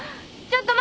ちょっと！